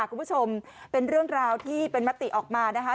คุณผู้ชมเป็นเรื่องราวที่เป็นมติออกมานะคะ